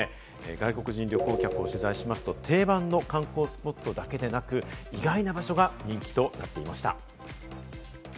外国人旅行客を取材しますと定番の観光スポットだけではなく、意外な場所が人気となっていました。